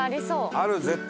ある絶対。